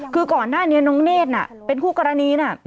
คือก่อนหน้านี้น้องเนธน่ะเป็นคู่กรณีนะ